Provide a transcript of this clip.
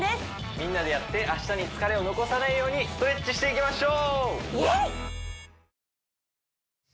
みんなでやって明日に疲れを残さないようにストレッチしていきましょう！